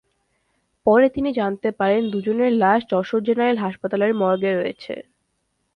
পরে তিনি জানতে পারেন, দুজনের লাশ যশোর জেনারেল হাসপাতালের মর্গে রয়েছে।